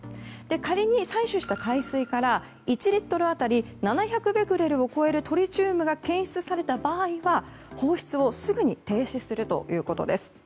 仮に、採取した海水から１リットル当たり７００ベクレルを超えるトリチウムが検出された場合は放出をすぐに停止するということです。